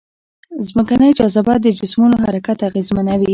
ځمکنۍ جاذبه د جسمونو حرکت اغېزمنوي.